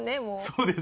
そうです。